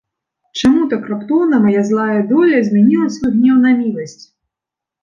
Чаму так раптоўна мая злая доля змяніла свой гнеў на міласць?